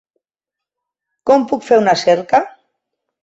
Com puc fer una cerca?